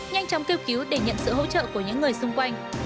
nhanh chóng kêu cứu để nhận sự hỗ trợ của những người xung quanh